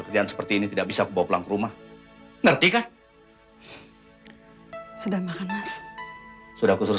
pekerjaan seperti ini tidak bisa bawa pulang rumah ngerti kan sudah makan sudah kusuruh